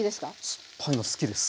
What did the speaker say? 酸っぱいの好きです。